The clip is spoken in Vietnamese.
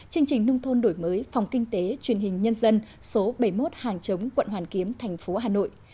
chương trình nông thôn đổi mới phòng kinh tế truyền hình nhân dân số bảy mươi một hàng chống quận hoàn kiếm thành phố hà nội